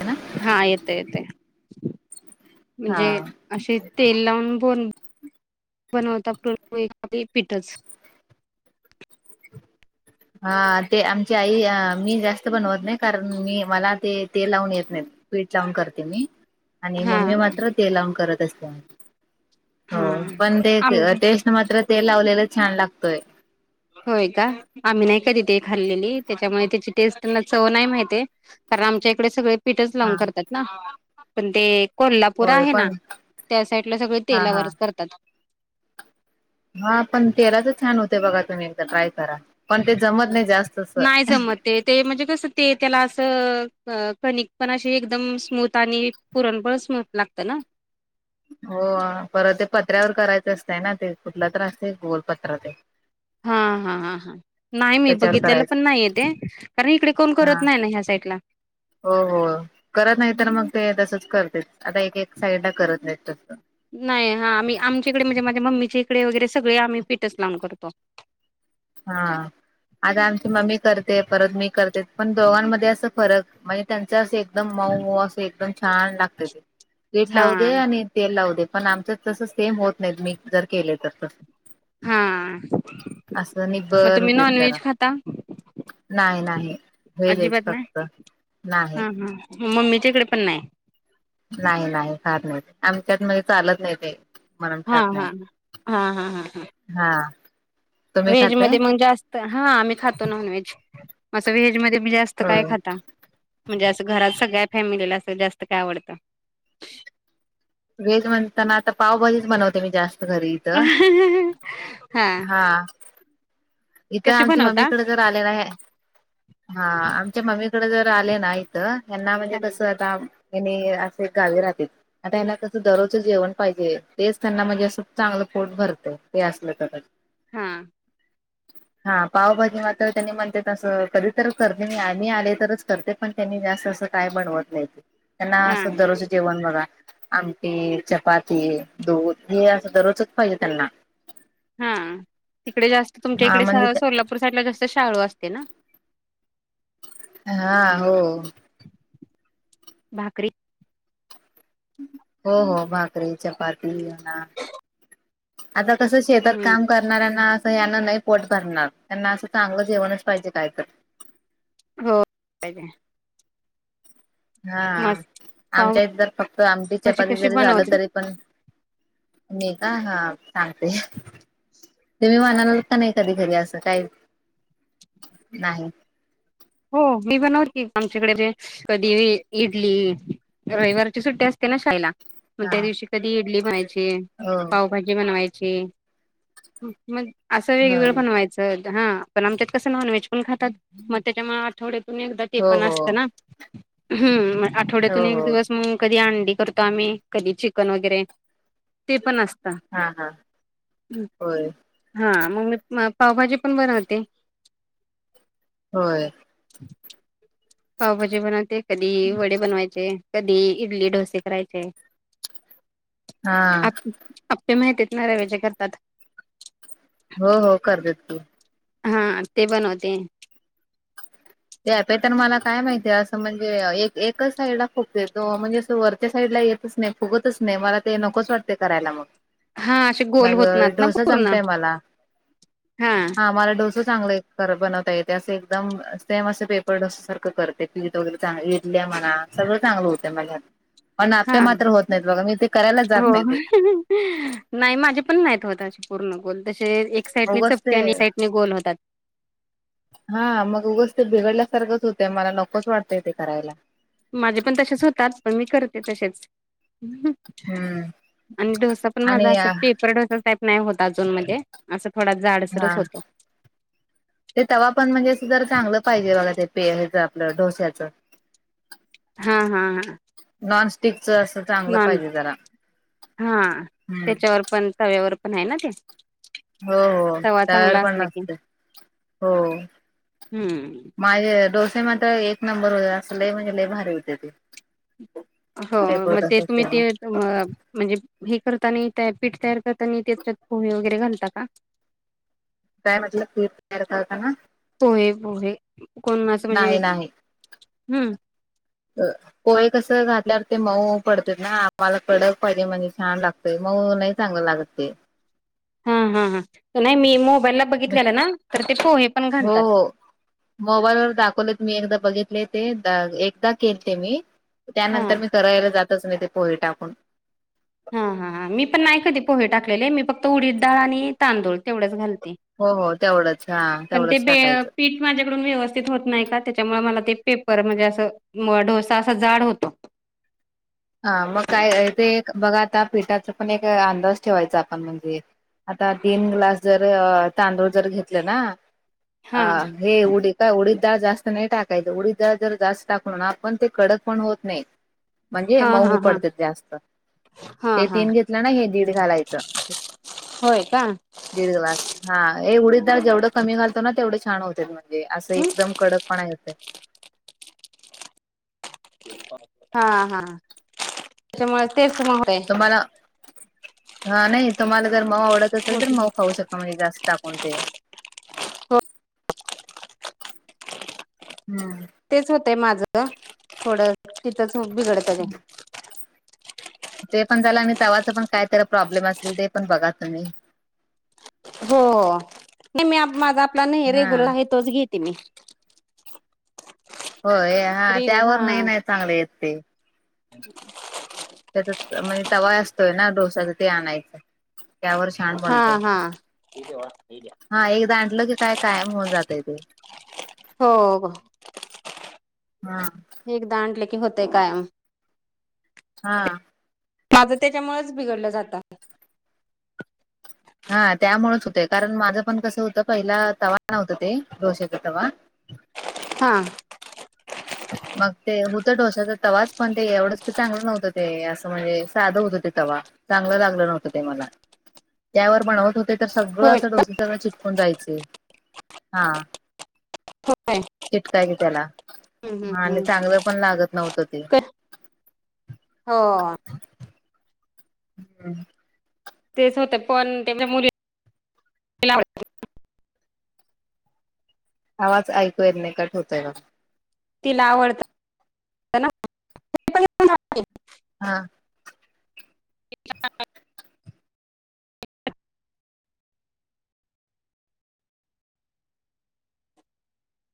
ह. हा येते येते हा म्हणजे अशी तेल लावून. फोन बनवता ए पीठच हा ते आमची आई मी जास्त बनवत नाही कारण मी मला ते तेल लावून येत नाही. वीट लावून करते मी. आणि हा मम्मी हा मात्र ते लावून करत असते हा हो पण आम ते मात्र ते लावलेला छान लागतोय. होय का आम्ही नाही कधी ते खाल्लेली त्याच्यामुळे त्याची टेस्ट त्यांना चव नाही माहितीय. कारण आमच्या इकडे सगळे पीठच हा लावून करतात ना पण ते कोल्हापूर होय आहे ना पण त्या साईडला सगळे हा हा तेलावरच करतात. हा पण तेलाच छान होते बघा तुम्ही एकदा ट्राय करा पण ते जमत नाही जास्त. अस नाही जमत. ते ते म्हणजे कसं ते त्याला असं कणिक पण अे एकदम स्मूथ आणि पुरण पण स्मूथ लागत ना? हो परत ते पत्र्यावर करायचं असतंय ना ते कुठला त्रास आहे गोलपत्र ते हा हा हा हा नाही मी त्याच्यावर बघितलेलं पण करायचं नाही येते कारण इकडे कोण करत हा नाही ना ह्या साईडला. हो हो करत नाही तर मग ते तसच करतेच आता एक एक साइड ला करत नाही तस. नाही हा आम्ही आमच्या इकडे म्हणजे माझ्या मम्मीच्या इडे वगैरे सगळे आम्ही पीठच लावून करतो. हा आता आमची मम्मी करते परत मी करते पण दोघांमध्ये असं फरक म्हणजे त्यांचं असं एकदम मऊ मऊ असं एकदम छान लागते ते. पिठ हा लावू दे आणि तेल लावू दे पण आमच तस सेम होत नाहीत मी जर केले तर त हा असं मग निबर तुम्ही होते नॉन जरा व्हेज खाता? नाही नाही, वेजच अजिबात नाही फक्त नाही. हा हा मम्मीच्या इकडे पण नाही. नाही नाही फार नाही आमच्यात म चालत नाही ते. म्हणून हा खात हा नाही हा हा हा हा. हा तुम्ही व्हेज खाताय मध्ये मग जास्त हा आम्ही खातो नॉन व्हेज असं व्हेज मध्ये जास्त जात काय होय खाता म्हणजे अस घरात सगळ्या फॅमिलीला अस जास्त काय आवडत? वेज म्हणताना आता पावभाजीच बनवते मी जास्त घरी. हा इथं कशी आमच्या बनवता मम्मीकडे जर आले ना हा आमच्या मम्मी कडे जर आले ना. हना म्हणजे कसं आता ह असे गावी राहतील. आता यांना कसं दररोजं जेवण पाहिजे तेच त्यांना म्हणजे असं चांगलं पोट भरते ते असलं तर हा हा पावभाजी मात्र त्यांनी म्हणते त अससं कधीत करते मी मी आले तरच करते. त्यांनी जास्त अस का बनवत नाही हा त्यां दररोज जेवण बघा आमटी, चपाती, दूध हे असं दररोजच पाहिजे त्यांना. हा तिकडे जास्त तुमच्या हा इकडे म्हणजे सोलापूर साईडला जास्त शालु असते ना? हा हो. भाकरी हो हो भाकरी, चपाती येणार आता कसं शेतात हम्म काम करणारना अस यांना नाही पोट भरणार त्यांना अस चांगलं जेवणच पाहिजे काय तर. हो. हा मस्त आमच्या पावभाजी इथर फक्त आमची चपाती कशी जरी झालं बनवते तरी पण मी का हा सांगते तुम्ही म्हनाला का नाही कधी करी असं काही नाही. हो मी बनव की आमच्याकडे जे कधी इडली रविवारची सुट्टी असते ना त्यांना. मग हा त्या दिवशी कधी इडली बनायची हो पावभाजी बनवायची. मग असं हो वेगवेगळं बनवायचं हा पण आमच्यात कसं नॉनव्हेज पण खातात. त्याच्यामुळे आठवड्यातून एकदा टे हो पण हो असतं ना ह हो आठवड्यातून एक हो दिवस मग कधी अंडी करतो आम्ही कधी चिकन वगैरे ते पण असत हा हा होय हां मग मी पावभाजी पण बनवते होय पावभाजी बनवते कधी वडे बनवायचे कधी इडली डोसे करायचे आहे हा आप आप्पे माहती आहेत ना रवेजे करतात हो हो कर देत तू हा ते बनवते त्यापे तर मला काय माहितीय असं म्हणजे एक एकच साईडला खोकते तो म्हणजे असं वरच्या साईडला येत नाही फुगतच नाही मला ते नकोच वाटते करायला मग हा असे गोल मग होत ना ना डोसा पूर्ण जमतय हा आम डस चांगले बनवता य अस एकदम सेम असं पेपर डस सारख करते फीट वगैरे चांग इ आहे म्हणा सगळं चांगलं होते मझ्या - - पण हा आपे मात्र होत नाहीत बघा मी ते करायलाच जात हो. नाही ते. नाही माझे पण नाहीत होते पूर्ण गोल तसे एक साइडने उगच चपते ते आणि एक साइडने गोल होतात. हा मग उगंच ते बिघडल्यासारखंच होतं मला नकोच वाटतंय ते करायला. माझे पण तसेच होतात पण मी करते तसेच. हम्म आणि डोसा पण माझा आणि असत पेपर डोसा सा. नाही होत अजून मध्ये असं थोडा जाडसरच हा होतं. ते तवा पण म्हणजे सुधर चांगलं पाहिजे बाघा ते प हच आपलं डोस्याचं. हा हा हा. नॉनस्टिक च असं चांगलं पाहिजे जरा हा हम्म त्याच्यावर पण तव्यावर पण आहे ना ते. हो हो तवा तयार चांगला पण असला की नसते हो हम्म. माझे डोसे मात्र एक नंबर हो अस लय म्हणजे लय भारी होते ते हो पेपर मग ते डोसा तुम्ही ते. सेम. म म्हणजे हे करताना पीठ तयार करताना त्याच्यात पोहे वगैरे घालता का. काय म्हलं फीर होता ना. पोहे पोहे कोणाचं म्हणजे नाही नाही हम्म. पोहे कस घातल्यावर ते मऊ पडते ना आम्हाला कडक पाहिजे म्हणजे छान लागत. म नाही चांग लागत ते. हा हा हा नाही मी मोबाईलला बघितलेलं ना तर ते पोहे पण घालतात. मोबाईलवरर दाखवले मी एकदा बघितले ते एकदा केलते मी. हा. त्यानंतर मी करायला जातच नाही ते पोहे टाकून. हा हा हां मी पण नाही कधी पोहे टाकले मी फक्त उडीद डाळ आणि तांदूळ तेवढंच घाल. हो हो तेवढंच हा तेवढंच बे टाकायचं. पीठ माझ्याकडून व्यवस्थित होत नाही का त्याच्यामुळे मला ते पेपर म्हणजे असं. म ढोसा असा जाड होतो ' हा मग काय ते बघा आता पिठाचा पण एक अंदाज ठेवायचा आपण म्हणजे. आता तीन ग्लास जर तांदूळ जर घेतले ना. हा. अ हे उडी काय उडीद. डाळ जास्त नाही टाकायच उडी डाळ जर जास्त टाकून आपण ते कडक पण होत नाही. म्हणजे हा हा मऊ हा पडते जास्त हा ते हा तीन घेतलं ना हे दीड घालायचं. होय का. दीड ग्लास हा ए उडीदडाळ जेवढं कमी घालतो ना तेवढे छान होते. म्हणजे असं एकदम कडकपण होतं. हा हा त्याच्यामुळे ते. तुम्हाला हा नाही तुम्हाला जर माव आवडत असेल तर माव पााहू शकत. म्हजे जास्त कोणते. हो हम्म! तेच होतय माझं थोडं तिथंच बिघडत र. ते पण झालं आणि तवाच पण काय तर प्रॉब्लेम असेल ते पण बघा तुम्ही. हो नाही मी माझा आपला नाही हा रेग्युलर आहे तोच घेते मी. हो हा रे त्यावर नाही नाही चांगले येत ते. ह. त्या म्हणजे तवा असतोय ना डोसाच ते आणायचं त्यावर. छान हा बणत हा हा एकदा आणल की काय कायम होऊन जातय ते. हो का? हा. एकदा आणले की होतेय कायम. हा. माझं त्याच्यामुळेच बिघडलं जातं. हा त्यामुळेच होतय कारण माझं पण कसं होतं पहिला तवा नव होत ते डोशाचा तवा हां. मग ते होतं डोशचा तवाच पण ते एवढंच चांगलं नव्हतं ते असं म्हणजे साधं होत. चांगलं लागलं नव्हत ते मला त्यावर पणव ते तर सगळं होय असं डोसे सगळं चिटकून जायचे हा. होय चिटकायची त्याला आणि चांगलं पण लागत नव्हतं ते हो. हम्म. तेच होते पण त्यांच्या मुली आवाज ऐकूयाेत नाही काट होतय ब तिला आवडत. ना [unintelligible] हां. क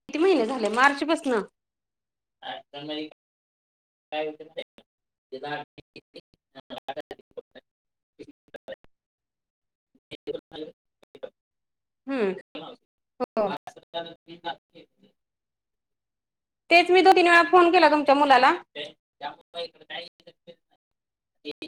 किती महिने झाले मार्च पासन [unintelligible] [unintelligible] हम् हो. तेच मी दो तीन वेळा फोन केला तुमच्या मुलाला ते